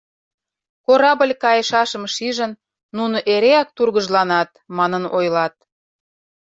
Корабль кайышашым шижын, нуно эреак тургыжланат, манын ойлат.